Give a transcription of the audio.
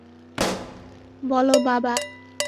বলো, বাবা!